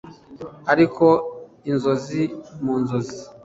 Ariko inzozi mu nzozi